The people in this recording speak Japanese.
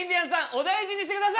お大事にしてください！